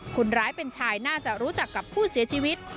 คนร้ายเป็นชายน่าจะรู้จักกับผู้เสียชีวิต